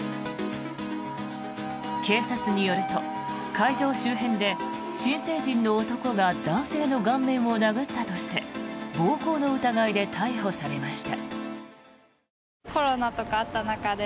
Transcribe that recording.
警察によると会場周辺で新成人の男が男性の顔面を殴ったとして暴行の疑いで逮捕されました。